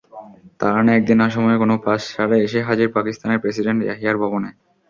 তারানা একদিন অসময়ে, কোনো পাস ছাড়াই এসে হাজির পাকিস্তানের প্রেসিডেন্ট ইয়াহিয়ার ভবনে।